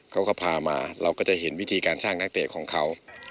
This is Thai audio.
เขาก็พามาเราก็จะเห็นวิธีการสร้างนักเตะของเขา